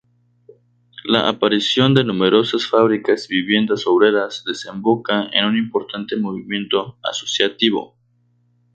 La aparición de numerosas fábricas y viviendas obreras desemboca en un importante movimiento asociativo.